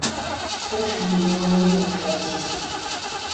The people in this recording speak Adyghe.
Ts'ıf millionibğu fediz.